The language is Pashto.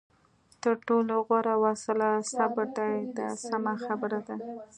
تر ټولو غوره وسله صبر دی دا سمه خبره ده.